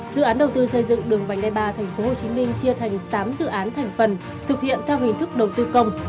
dự án đầu tư xây dựng đường vành đai ba tp hcm chia thành tám dự án thành phần thực hiện theo hình thức đầu tư công